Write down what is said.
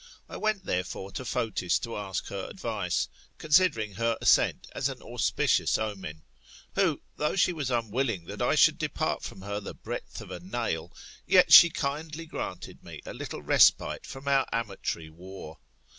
I went therefore to Fotis to ask her advice, considering her assent as an auspi<tious omen ; who, though she i6 tm liETAiiOR^HO^is, ot was unwilling that I should depart from her the breadth of a nail, yet she kindly granted me a little respite from our amatory war.